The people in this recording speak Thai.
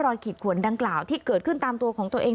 ขีดขวนดังกล่าวที่เกิดขึ้นตามตัวของตัวเอง